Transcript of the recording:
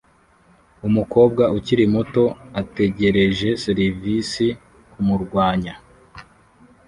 Umukobwa ukiri muto ategereje serivisi kumurwanya